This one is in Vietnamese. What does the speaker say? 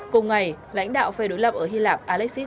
cùng ngày lãnh đạo phe đối lập ở hy lạp alexico